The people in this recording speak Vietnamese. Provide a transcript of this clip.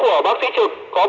có diễn biến bất thường